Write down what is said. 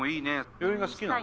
病院が好きなの？